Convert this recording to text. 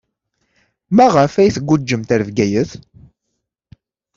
Maɣef ay tguǧǧemt ɣer Bgayet?